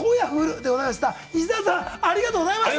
石澤さんありがとうございました！